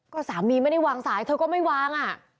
ก็สามีไม่ได้วางสายเธอก็ไม่วางอ่ะ